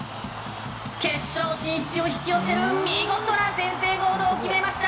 決勝進出を引き寄せる見事な先制ゴールを決めました！